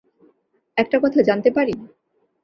একটা কথা জানতে পারি?